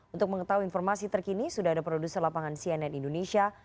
untuk mengetahui informasi terkini sudah ada produser lapangan cnn indonesia